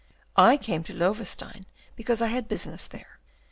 I came to Loewestein because I had business there.